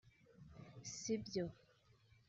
Sibyo